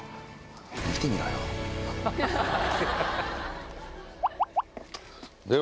見てみろよ。